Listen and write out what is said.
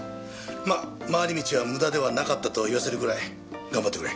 まあ回り道は無駄ではなかったと言わせるぐらい頑張ってくれ。